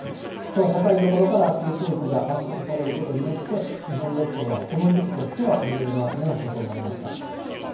空高い所から熱い空気が圧縮されることによって、日本列島はこの時期としては異例の猛暑となりました。